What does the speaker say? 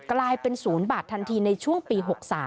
กลายเป็น๐บาททันทีในช่วงปี๖๓